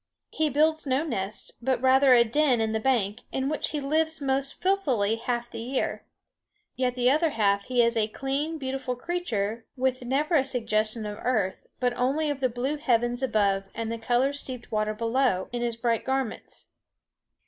He builds no nest, but rather a den in the bank, in which he lives most filthily half the day; yet the other half he is a clean, beautiful creature, with never a suggestion of earth, but only of the blue heavens above and the color steeped water below, in his bright garments.